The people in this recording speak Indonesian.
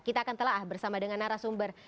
kita akan telah bersama dengan narasumber